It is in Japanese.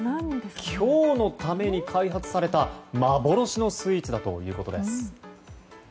今日のために開発された幻のスイーツだということです。